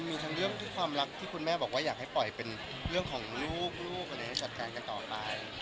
มีทั้งเรื่องความรักที่คุณแม่บอกว่าอยากให้ปล่อยเป็นเรื่องของลูกอะไรให้จัดการกันต่อไป